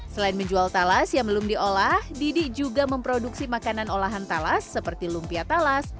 selain menjual talas yang belum diolah didi juga memproduksi makanan olahan talas seperti lumpia talas